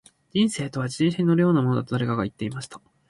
•人生とは、自転車に乗るようなものだと誰かが言っていました。